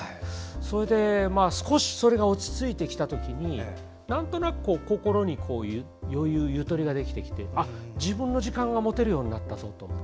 それで少しそれが落ち着いてきた時になんとなく心に余裕、ゆとりができてきて自分の時間が持てるようになったぞと。